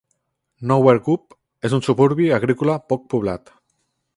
Nowergup és un suburbi agrícola poc poblat.